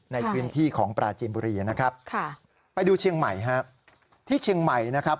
ในพื้นที่ของปราจีนบุรีนะครับค่ะไปดูเชียงใหม่ฮะที่เชียงใหม่นะครับ